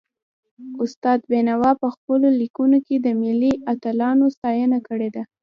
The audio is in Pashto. استاد بينوا په پخپلو ليکنو کي د ملي اتلانو ستاینه کړې ده.